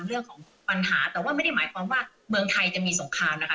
เรื่องของปัญหาแต่ว่าไม่ได้หมายความว่าเมืองไทยจะมีสงครามนะคะ